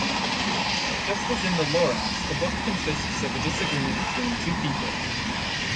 Just as in "The Lorax", the book consists of a disagreement between two people.